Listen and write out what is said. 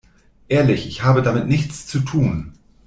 Ehrlich, ich habe damit nichts zu tun!